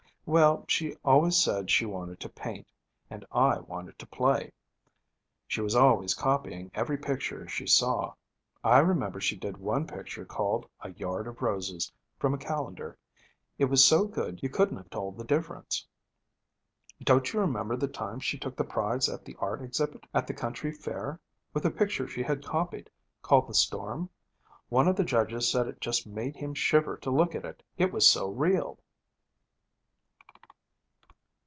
Well, she always said she wanted to paint, and I wanted to play. She was always copying every picture she saw. I remember she did one picture called A yard of Roses, from a calendar. It was so good you couldn't have told the difference. Don't you remember the time she took the prize at the art exhibit at the country fair, with a picture she had copied, called The Storm? One of the judges said it just made him shiver to look at it, it was so real.'